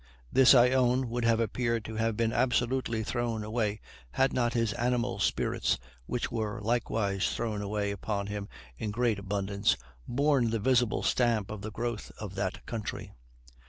This, I own, would have appeared to have been absolutely thrown away had not his animal spirits, which were likewise thrown away upon him in great abundance, borne the visible stamp of the growth of that country.